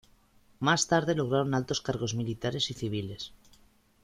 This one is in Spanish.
Más tarde lograron altos cargos militares y civiles.